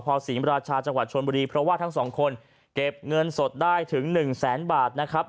พอศรีมราชาจังหวัดชนบุรีเพราะว่าทั้งสองคนเก็บเงินสดได้ถึง๑แสนบาทนะครับ